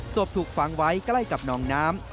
ถูกฝังไว้ใกล้กับหนองน้ำ